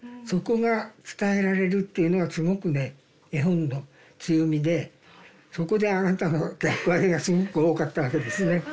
そこが伝えられるっていうのはすごくね絵本の強みでそこであなたの役割がすごく多かったわけですね。